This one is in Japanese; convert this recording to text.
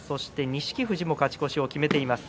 錦富士も勝ち越しを決めています。